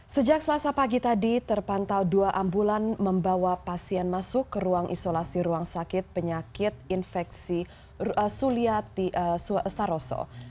sejak selasa pagi tadi terpantau dua ambulan membawa pasien masuk ke ruang isolasi ruang sakit penyakit infeksi sulia saroso